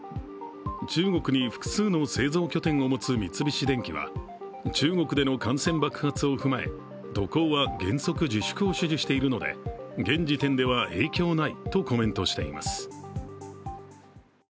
中国に複数の製造拠点を持つ三菱電機は中国での感染爆発を踏まえ渡航は原則自粛を指示しているので現時点では影響ないとコメントしています。